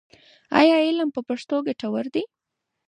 ایا علم په پښتو ګټور دی؟